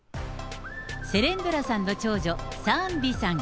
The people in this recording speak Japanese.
セレンドラさんの長女、サーンビさん。